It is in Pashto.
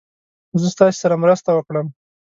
زه ستاسې سره مرسته وکړم.